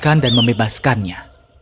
kaa menemukan dan membebaskannya